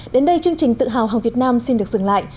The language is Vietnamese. đến đây chương trình tự hào hàng việt nam xin được dừng lại